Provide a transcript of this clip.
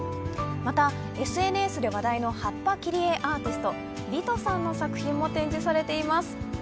また、ＳＮＳで話題の葉っぱ切り絵アーティスト、リトさんの作品も展示されています。